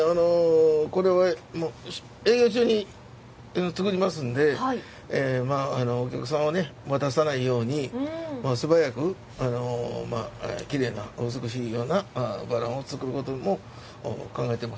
これは営業中に作りますんでお客さんを待たさないように素早くきれいな美しいようなバランを作ることも考えてますね。